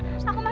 aku masuk ya